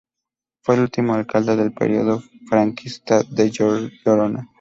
Fue el último alcalde del periodo franquista de Gerona.